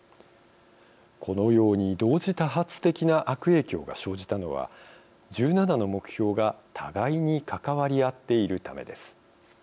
このように同時多発的な悪影響が生じたのは１７の目標が互いに関わり合っているためです。